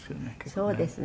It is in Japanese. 「そうですね」